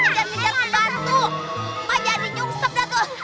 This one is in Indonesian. mak jadi nyungsep dah tuh